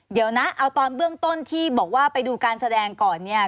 เดี๋ยวนะเอาตอนเบื้องต้นที่บอกว่าไปดูการแสดงก่อนเนี่ย